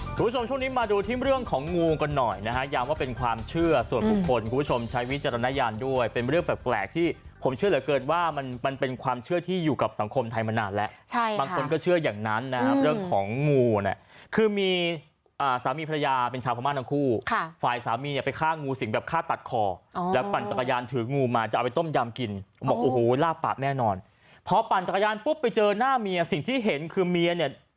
คุณผู้ชมช่วงนี้มาดูที่เรื่องของงูก่อนหน่อยนะฮะย้ำว่าเป็นความเชื่อส่วนบุคคลคุณผู้ชมใช้วิจารณญาณด้วยเป็นเรื่องแบบแปลกที่ผมเชื่อเหลือเกินว่ามันมันเป็นความเชื่อที่อยู่กับสังคมไทยมานานแล้วใช่ค่ะบางคนก็เชื่ออย่างนั้นนะฮะเรื่องของงูเนี่ยคือมีอ่าสามีพระยาเป็นชาวพระม่านทั้งคู่ค่ะฝ่ายสามี